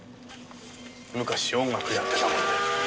昔音楽やってたもんで。